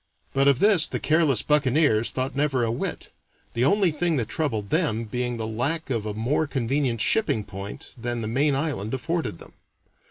But of this the careless buccaneers thought never a whit, the only thing that troubled them being the lack of a more convenient shipping point than the main island afforded them.